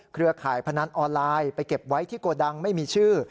เครือข่ายพนันออนไลน์ไปเก็บไว้ที่โกดังไม่มีชื่อ